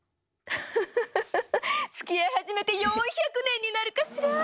フフフフつきあい始めて４００年になるかしら。